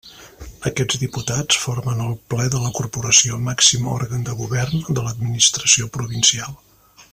Aquests diputats formen el ple de la corporació, màxim òrgan de govern de l'administració provincial.